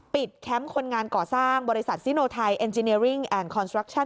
ปิดแถมคนงานก่อสร้างบริษัทซิโนไทเอ็นจีเนียริ่งแอนด์คอนสตรัคชัน